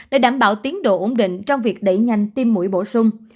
để đảm bảo tiến độ ổn định trong việc đẩy nhanh tiêm mũi bổ sung